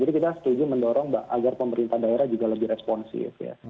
jadi kita setuju mendorong agar pemerintah daerah juga lebih responsif ya